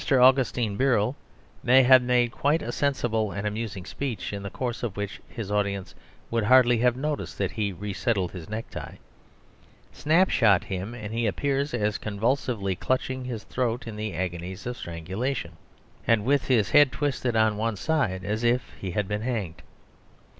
Augustine Birrell may have made quite a sensible and amusing speech, in the course of which his audience would hardly have noticed that he resettled his necktie. Snapshot him, and he appears as convulsively clutching his throat in the agonies of strangulation, and with his head twisted on one side as if he had been hanged.